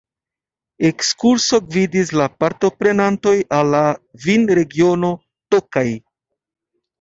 Ekskurso gvidis la partoprenantojn al la vinregiono Tokaj.